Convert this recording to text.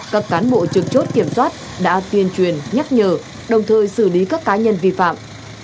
các cán bộ trực chốt kiểm soát đã tuyên truyền nhắc nhở đồng thời xử lý các cá nhân vi phạm